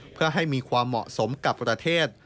เพื่อให้มีความเหมาะสมกับประเทศ